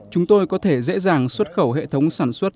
chúng tôi có thể dễ dàng xuất khẩu hệ thống sản xuất